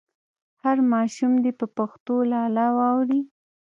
هر ماشوم دې په پښتو لالا واوري.